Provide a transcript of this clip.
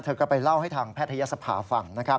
เธอก็ไปเล่าให้ทางแพทยศภาฟัง